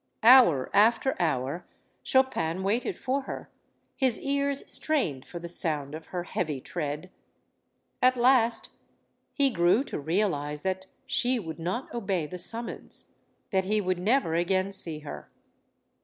Hour after hour, Chopin waited for her, his ears strained for the sound of her heavy tread. At last he grew to realize that she would not obey the sum mons, that he would never again see her.